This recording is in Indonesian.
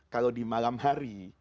kalau di malam hari